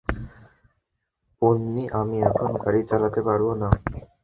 পোন্নি, আমি এখন গাড়ি চালাতে পারবো না।